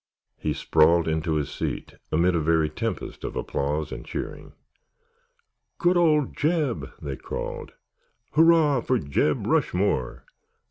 He sprawled into his seat amid a very tempest of applause and cheering. "Good old Jeb!" they called. "Hurrah for Jeb Rushmore!"